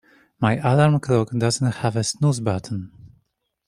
My alarm clock doesn't have a snooze button.